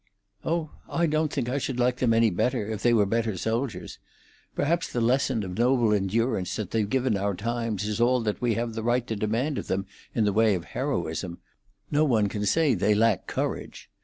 "Oh, I don't think I should like them any better if they were better soldiers. Perhaps the lesson of noble endurance that they've given our times is all that we have the right to demand of them in the way of heroism; no one can say they lack courage.